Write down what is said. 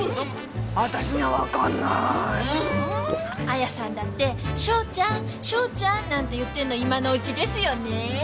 あやさんだって章ちゃん章ちゃんなんて言ってんの今のうちですよねえ。